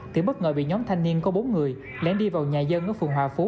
thì bất ngờ bị nhóm thanh niên có bốn người lén đi vào nhà dân ở phường hòa phú